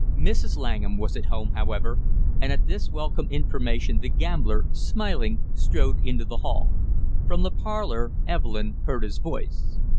Mrs. Langham was at home, however, and at this welcome information the gambler, smiling, strode into the hall. From the parlor, Evelyn heard his voice.